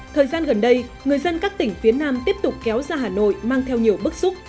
thời gian gần đây người dân các tỉnh phía nam tiếp tục kéo ra hà nội mang theo nhiều bức xúc